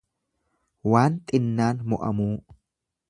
Waan xinnaan mo'amuu.